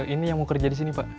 ini yang mau kerja di sini pak